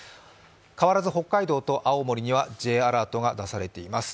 変わらず北海道と青森にはＪアラートが出されています。